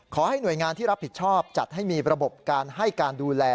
ขอให้หน่วยงานที่รับผิดชอบจัดให้มีระบบการให้การดูแล